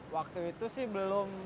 waktu itu sih belum